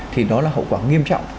thì đó là hậu quả nghiêm trọng